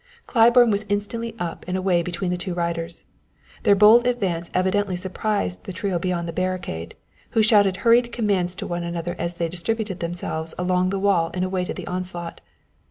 Claiborne was instantly up and away between the two riders. Their bold advance evidently surprised the trio beyond the barricade, who shouted hurried commands to one another as they distributed themselves along the wall and awaited the onslaught.